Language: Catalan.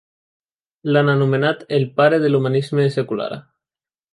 L'han anomenat "el pare de l'humanisme secular".